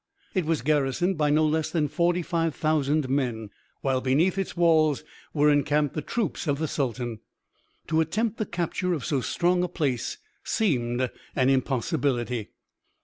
It was garrisoned by no less than 45,000 men, while beneath its walls were encamped the troops of the sultan. To attempt the capture of so strong a place seemed an impossibility.